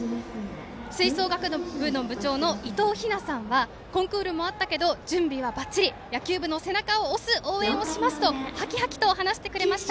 吹奏楽部の部長のいとうひなさんはコンクールもあったけど準備はばっちり野球部の背中を押す応援をしますとはきはきと話してくれました。